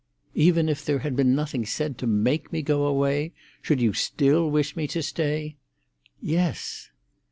"Even if there had been nothing said to make me go away—should you still wish me to stay?" "Yes."